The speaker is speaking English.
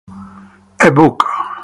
A book.